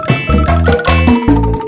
yang dulu nyiksa kita